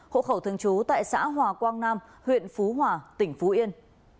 hộ khẩu thường trú tại xã hòa quang nam huyện phú hòa tỉnh phú yên